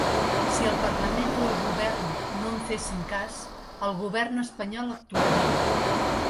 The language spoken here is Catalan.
Si el parlament o el govern no en fessin cas, el govern espanyol actuaria.